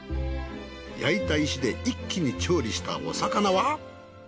焼いた石で一気に調理したお魚は？